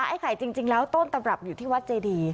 ไอ้ไข่จริงแล้วต้นตำรับอยู่ที่วัดเจดี